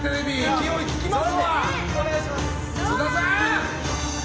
勢いつきます。